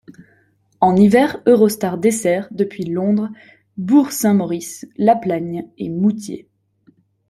En hiver, Eurostar dessert, depuis Londres, Bourg-Saint-Maurice, La Plagne et Moûtiers.